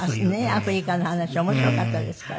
アフリカの話面白かったですから。